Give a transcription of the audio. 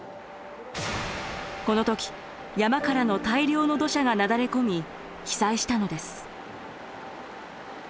この時山からの大量の土砂がなだれ込み被災したのです。